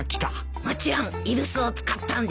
もちろん居留守を使ったんでしょ？